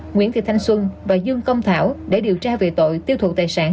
nguyễn thị thanh xuân và dương công thảo để điều tra về tội tiêu thụ tài sản